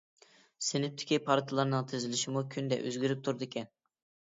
سىنىپتىكى پارتىلارنىڭ تىزىلىشىمۇ كۈندە ئۆزگىرىپ تۇرىدىكەن.